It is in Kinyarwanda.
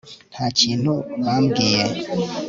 nta kintu bambwiye